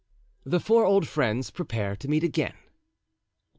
The four old Friends prepare to meet again.